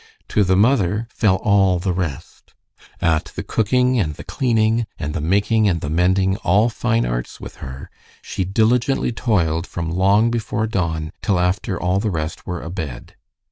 To the mother fell all the rest. At the cooking and the cleaning, and the making and the mending, all fine arts with her, she diligently toiled from long before dawn till after all the rest were abed.